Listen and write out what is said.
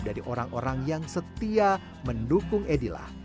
dari orang orang yang setia mendukung edilah